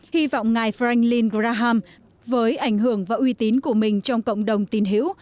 hy vọng ngài franklin graham với ảnh hưởng và uy tín của mình trong cộng đồng tín hiểu